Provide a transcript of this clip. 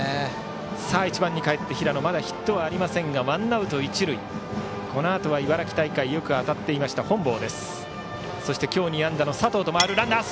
１番にかえって平野まだヒットはありませんがこのあとは茨城大会よく当たっていました本坊。